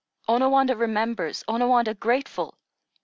Onawandah remembers! Onawandah grateful!